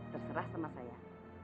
terserah sama saya